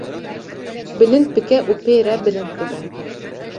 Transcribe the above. bilind bike û pê re bilind bibe.